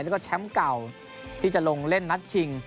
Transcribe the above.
แล้วก็แชมป์เก่าที่จะลงเล่นนัดชิง